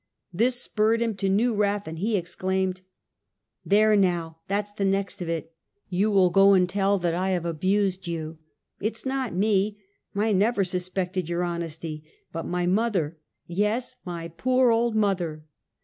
This spurred him to new wrath, and he exclaimed: " There now, that's the next of it. You will go and tell that I've abused you. It's not me. I never suspected your honesty, but my mother, yes, my poor old mother.